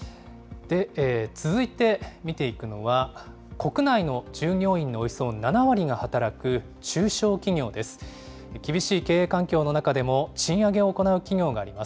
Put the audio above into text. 続いて見ていくのは、国内の従業員のおよそ７割が働く中小企業です。